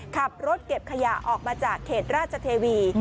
ขับรถเก็บขยะออกมาจากเขตราชเทวี